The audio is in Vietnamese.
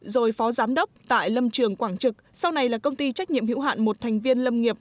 rồi phó giám đốc tại lâm trường quảng trực sau này là công ty trách nhiệm hữu hạn một thành viên lâm nghiệp